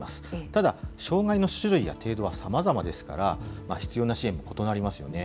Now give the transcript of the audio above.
ただ、障害の種類や程度はさまざまですから、必要な支援も異なりますよね。